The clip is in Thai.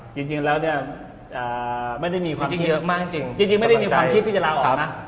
จริงแล้วไม่ได้มีความทันความคิดจะล้าอออ